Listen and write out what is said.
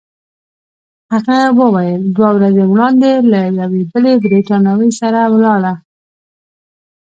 هغه وویل: دوه ورځې وړاندي له یوې بلې بریتانوۍ سره ولاړه.